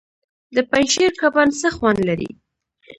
د پنجشیر کبان څه خوند لري؟